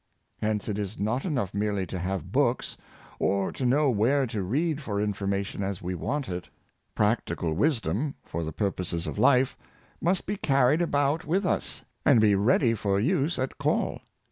Hence it is not enough merely to have books, or to know where to read for information as we want it. Practical wisdom, for the purposes of life, must be car ried about with us, and be ready for use at call.